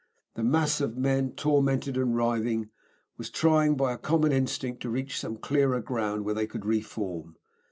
The mass of men, tormented and writhing, was trying, by a common instinct, to reach some clearer ground where they could re form.